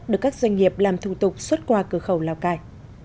được các doanh nghiệp làm thủ tục xuất qua cửa khẩu lào cai